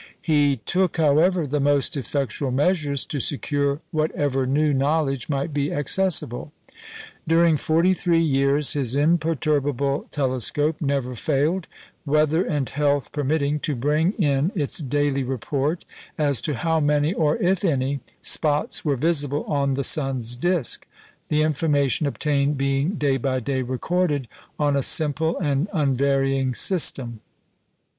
He took, however, the most effectual measures to secure whatever new knowledge might be accessible. During forty three years his "imperturbable telescope" never failed, weather and health permitting, to bring in its daily report as to how many, or if any, spots were visible on the sun's disc, the information obtained being day by day recorded on a simple and unvarying system.